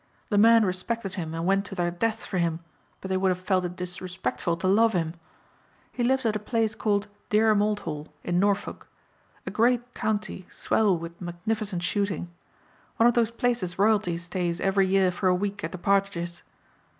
The men respected him and went to their deaths for him but they would have felt it disrespectful to love him. He lives at a place called Dereham Old Hall in Norfolk. A great county swell with magnificent shooting. One of those places royalty stays every year for a week at the partridges.